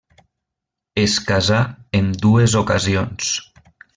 Es casà en dues ocasions.